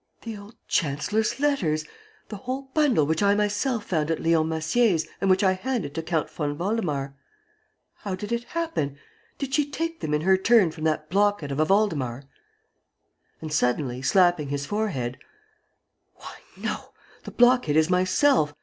"The old chancellor's letters! The whole bundle which I myself found at Leon Massier's and which I handed to Count von Waldemar! ... How did it happen? ... Did she take them in her turn from that blockhead of a Waldemar?" And, suddenly, slapping his forehead, "Why, no, the blockhead is myself.